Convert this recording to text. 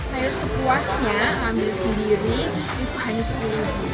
saya sepuasnya ambil sendiri itu hanya sepuluh ribu